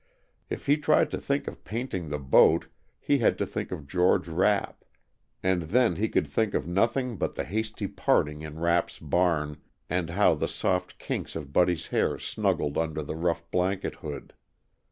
If he tried to think of painting the boat, he had to think of George Rapp, and then he could think of nothing but the hasty parting in Rapp's barn and how the soft kinks of Buddy's hair snuggled under the rough blanket hood.